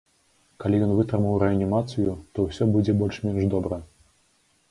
Калі ён вытрымаў рэанімацыю, то ўсё будзе больш-менш добра.